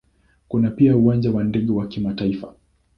Kuna pia Uwanja wa ndege wa kimataifa.